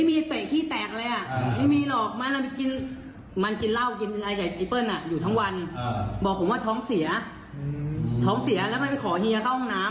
ไม่มีไอ้เป๊ะขี้แตกเลยไม่มีหรอก